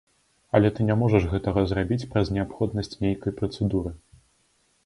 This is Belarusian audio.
Але ты не можаш гэтага зрабіць праз неабходнасць нейкай працэдуры.